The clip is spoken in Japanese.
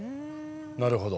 なるほど。